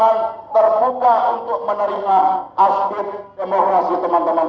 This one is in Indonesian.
yang terbuka untuk menerima aspirasi demokrasi teman teman sekalian